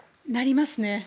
なりますね